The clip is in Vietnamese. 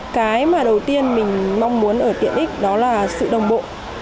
cái mà đầu tiên mình mong muốn ở tiện ích đó là sự đồng bộ